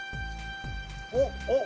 おっおっ！